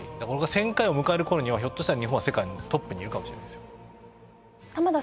これが１，０００回を迎える頃にはひょっとしたら日本は世界のトップにいるかもしれないですよ。